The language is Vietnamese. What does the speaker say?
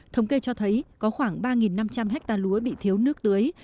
thống kê cho thấy có khoảng ba năm trăm linh hectare lúa bị thiếu nước tưới